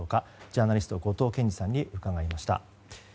ジャーナリストの後藤謙次さんに伺いました。